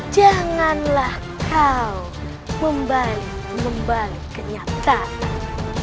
janganlah kau membalik membalik kenyataan